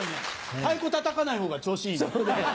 太鼓叩かないほうが調子いいね。